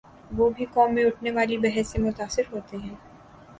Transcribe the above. وہ بھی قوم میں اٹھنے والی بحث سے متاثر ہوتے ہیں۔